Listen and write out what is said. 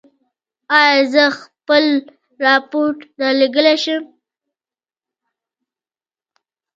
ایا زه خپل راپور درلیږلی شم؟